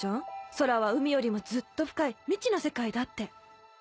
空は海よりもずっと深い未知の世界だって。